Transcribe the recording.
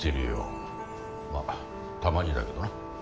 まあたまにだけどな。